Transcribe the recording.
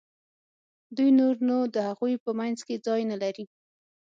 دوی نور نو د هغوی په منځ کې ځای نه لري.